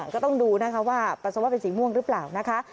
ก็ต้องดูนะคะว่าปัสสาวะเป็นสีม่วงหรือเปล่านะคะ